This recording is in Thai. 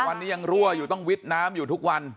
วันนี้ยังรั่วอยู่ต้องวิดน้ำอยู่ทุกวัน